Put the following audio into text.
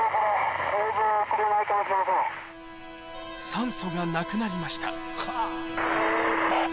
酸素がなくなりましたえ。